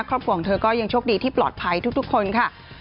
ของเธอก็ยังโชคดีที่ปลอดภัยทุกคนค่ะ